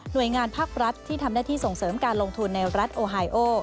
โดยงานภาครัฐที่ทำหน้าที่ส่งเสริมการลงทุนในรัฐโอไฮโอ